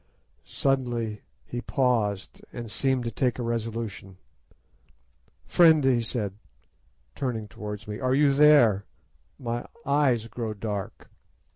"Suddenly, he paused, and seemed to take a resolution. 'Friend,' he said, turning towards me, 'are you there? My eyes grow dark.